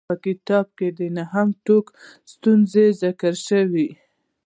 په کتاب کې د نهو ټکو ستونزه ذکر شوې.